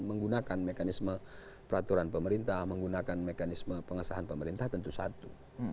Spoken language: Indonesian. menggunakan mekanisme peraturan pemerintah menggunakan mekanisme pengesahan pemerintah tentu satu